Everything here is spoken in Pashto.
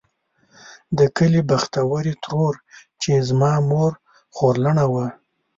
د کلي بختورې ترور چې زما مور خورلڼه وه.